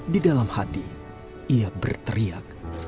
di dalam hati ia berteriak